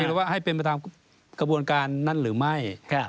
หรือว่าให้เป็นไปตามกระบวนการนั้นหรือไม่